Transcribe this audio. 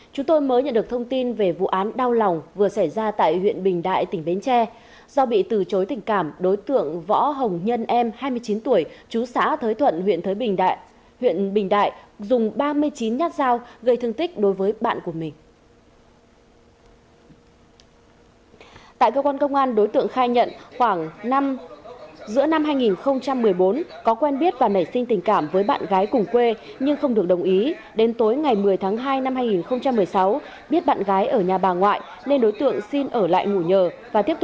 các bạn hãy đăng ký kênh để ủng hộ kênh của chúng mình nhé